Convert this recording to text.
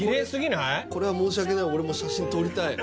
これは申し訳ない俺も写真撮りたい